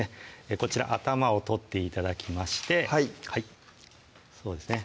こちら頭を取って頂きましてそうですね